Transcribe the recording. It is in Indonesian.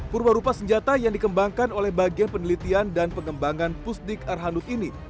purwa rupa senjata yang dikembangkan oleh bagian penelitian dan pengembangan pusdik arhanud ini